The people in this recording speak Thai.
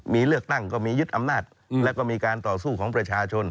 มีเลือกตั้งก็มียึดอำนาจแล้วก็มีการต่อสู้ของประชาชน